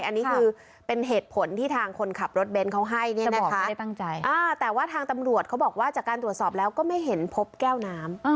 อันนี้คือเป็นเหตุผลที่ทางคนขับรถเบนท์เขาให้เนี่ยนะคะแต่ว่าทางตำรวจเขาบอกว่าจากการตรวจสอบแล้วก็ไม่เห็นพบแก้วน้ำ